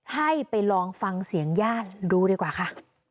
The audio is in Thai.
ให้ไปลองฟังเสียงญาติดูดีกว่าค่ะ